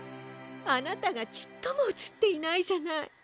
あなたがちっともうつっていないじゃない。